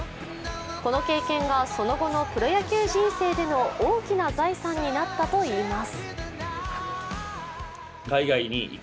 この経験がその後のプロ野球人生での大きな財産になったといいます。